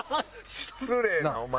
失礼なお前。